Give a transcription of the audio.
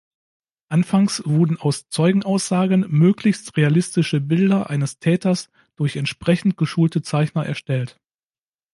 Anfangs wurden aus Zeugenaussagen möglichst realistische Bilder eines Täters durch entsprechend geschulte Zeichner erstellt.